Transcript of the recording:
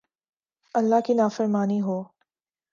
، اللہ کی نافرمانی ہو